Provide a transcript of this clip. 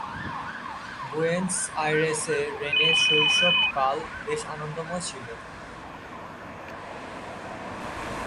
Buenos আইরেসে Rene শৈশব কাল বেশ আনন্দময় ছিল।